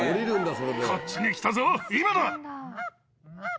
こっちに来たぞ今だ！